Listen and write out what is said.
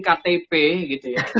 ktp gitu ya